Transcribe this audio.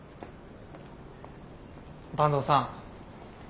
坂東さん